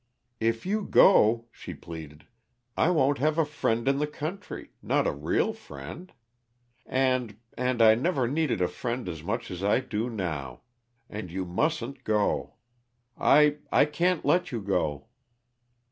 "If you go," she pleaded, "I won't have a friend in the country, not a real friend. And and I never needed a friend as much as I do now, and you mustn't go. I I can't let you go!"